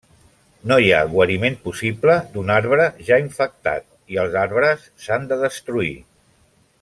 No hi ha guariment possible d’un arbre ja infectat i els arbres s’han de destruir.